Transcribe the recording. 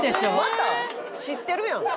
知ってるやん。